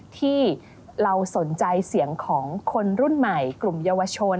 ที่เราสนใจเสียงของคนรุ่นใหม่กลุ่มเยาวชน